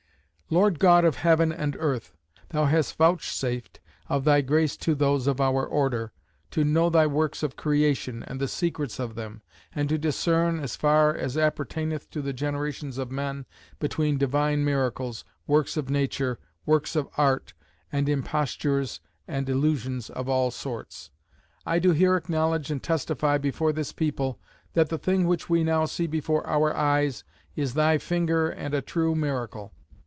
"'LORD God of heaven and earth, thou hast vouchsafed of thy grace to those of our order, to know thy works of Creation, and the secrets of them: and to discern (as far as appertaineth to the generations of men) between divine miracles, works of nature, works of art, and impostures and illusions of all sorts. I do here acknowledge and testify before this people, that the thing which we now see before our eyes is thy Finger and a true Miracle.